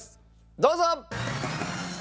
どうぞ！